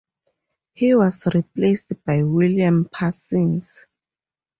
He was replaced by William Parsons.